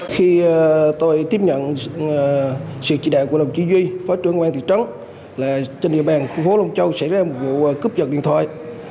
khi tôi tiếp nhận sự chỉ đạo của đồng chí duy phó trưởng ngoại trưởng thị trấn là trên địa bàn khu phố long châu xảy ra một vụ cấp giật điện thoại